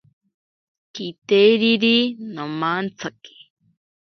Kiteriri nomantsaki.